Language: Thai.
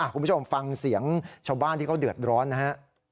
คุณผู้ชมฟังเสียงชาวบ้านที่เขาเดือดร้อนนะฮะ